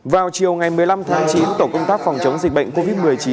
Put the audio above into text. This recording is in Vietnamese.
vào chiều ngày một mươi năm tháng chín tổ công tác phòng chống dịch bệnh covid một mươi chín